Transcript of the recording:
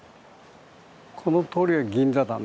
この通りが銀座だね